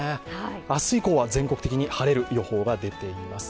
明日以降は全国的に晴れる予報が出ています。